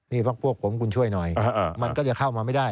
นี่พักพวกผมคุณช่วยหน่อยมันก็จะเข้ามาไม่ได้